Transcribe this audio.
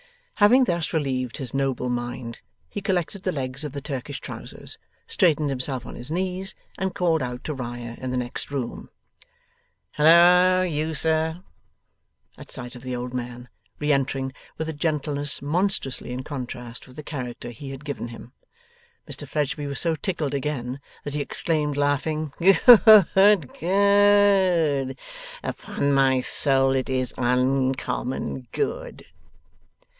Having thus relieved his noble mind, he collected the legs of the Turkish trousers, straightened himself on his knees, and called out to Riah in the next room, 'Halloa, you sir!' At sight of the old man re entering with a gentleness monstrously in contrast with the character he had given him, Mr Fledgeby was so tickled again, that he exclaimed, laughing, 'Good! Good! Upon my soul it is uncommon good!